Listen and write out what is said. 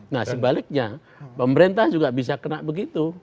nah sebaliknya pemerintah juga bisa kena begitu